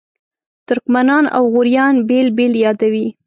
ترکمنان او غوریان بېل بېل یادوي.